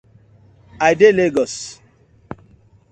I dey Legos.